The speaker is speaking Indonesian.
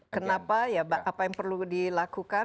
kenapa ya apa yang perlu dilakukan